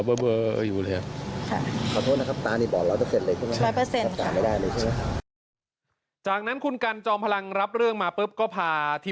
แล้วสู้สึกตกใจงงมากว่าเตี๋ยวเรื่องอะไร